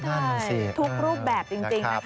ใช่ทุกรูปแบบจริงนะคะ